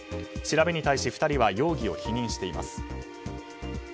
調べに対し２人は容疑を否認しています。